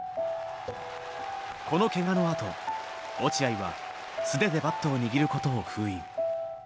このケガのあと落合は素手でバットを握ることを封印。